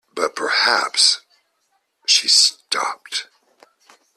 "But perhaps —" She stopped.